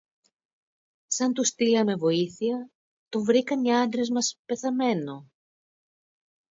Σαν του στείλαμε βοήθεια, τον βρήκαν οι άντρες μας πεθαμένο